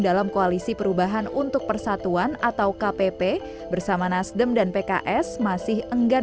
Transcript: dalam koalisi perubahan untuk persatuan atau kpp bersama nasdem dan pks masih enggan